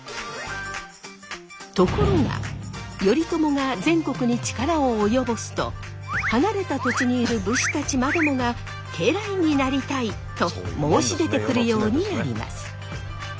ところが頼朝が全国に力を及ぼすと離れた土地にいる武士たちまでもが家来になりたい！と申し出てくるようになります。